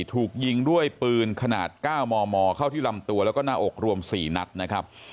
ถูกยิงด้วยปืนขนาด๙มมเข้าที่ลำตัวแล้วก็หน้าอกรวม๔นัดนะครับ